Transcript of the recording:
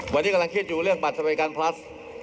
วันนี้กำลังคิดอยู่เรื่องบัตรสวัสดิการพลัส